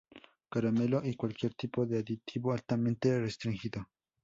Caramelo y cualquier tipo de aditivo altamente restringido.